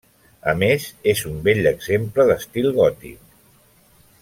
A més és un bell exemple d'estil gòtic.